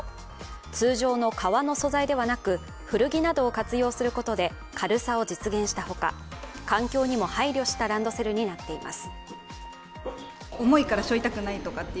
通常の革の素材ではなく古着などを活用することで軽さを実現したほか、環境にも配慮したランドセルになっています。